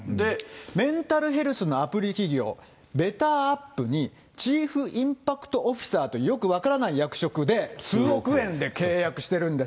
メンタルヘルスのアプリ企業、ベターアップにチーフインパクトオフィサーという、よく分からない役職で、数億円で契約してるんです。